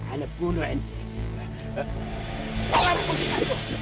ana membunuh anda